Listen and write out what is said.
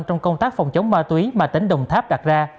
trong công tác phòng chống ma túy mà tỉnh đồng tháp đặt ra